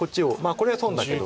これは損だけど。